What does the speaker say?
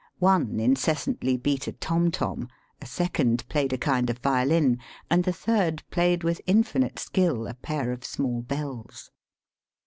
One incessantly beat a tom tom, a second played a kind of violin, and the third played with infinite skill a pair of small bells.